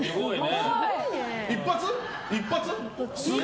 一発？